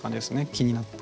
気になって。